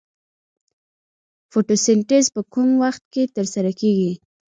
فتوسنتیز په کوم وخت کې ترسره کیږي